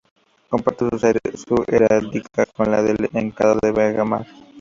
Comparte su heráldica con la del condado de Vega Mar.